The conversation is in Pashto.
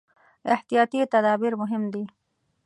احتیاطي تدابیر مهم دي.